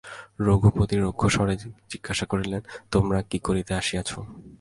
রঘুপতি রুক্ষস্বরে জিজ্ঞাসা করিলেন, তোমরা কী করিতে আসিয়াছ?